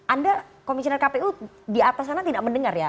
anda komisioner kpu di atas sana tidak mendengar ya